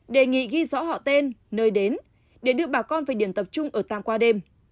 đề nghị ghi rõ họ tên nơi đến để đưa bà con về điểm tập trung ở tam qua đêm